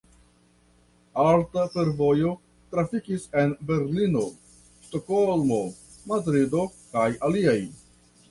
Alta fervojo trafikis en Berlino, Stokholmo, Madrido, kaj aliaj.